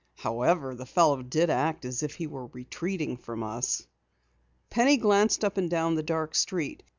"However, the fellow did act as if he were retreating from us." Penny glanced up and down the dark street.